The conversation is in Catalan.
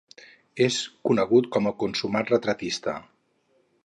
És conegut com un consumat retratista.